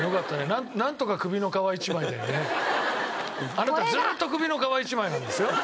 あなたずーっと首の皮一枚なんですよ。